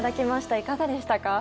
いかがでしたか？